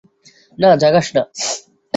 না, জাগাস না।